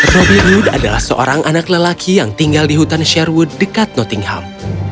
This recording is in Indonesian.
robi ruth adalah seorang anak lelaki yang tinggal di hutan sherwood dekat nottingham